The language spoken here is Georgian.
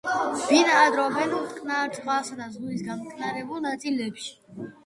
ბინადრობენ მტკნარ წყალსა და ზღვის გამტკნარებულ ნაწილებში.